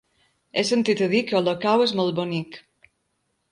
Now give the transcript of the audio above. He sentit a dir que Olocau és molt bonic.